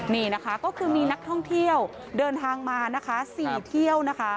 นี่ก็คือมีนักท่องเที่ยวเดินทางมา๔เที่ยว